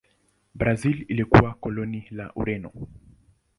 Brazil ilikuwa koloni la Ureno.